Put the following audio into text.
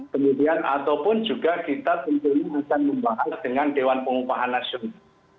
kemudian ataupun juga kita tentunya akan membahas dengan dewan pengupahan nasional